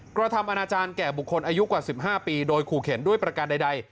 กระทำอนาจารย์แก่บุคคลอายุกว่า๑๕ปีโดยขู่เข็นด้วยประการใด